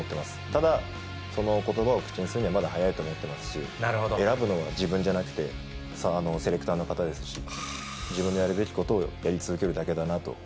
ただ、そのことばを口にするにはまだ早いと思ってますし、選ぶのは自分じゃなくて、セレクターの方ですし、自分のやるべきことをやり続けるだけだな